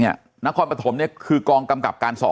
นครปฐมเนี่ยคือกองกำกับการ๒